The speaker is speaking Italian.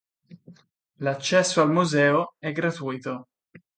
L'accesso al museo è gratuito.